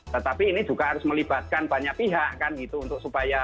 tetapi ini juga harus melibatkan banyak pihak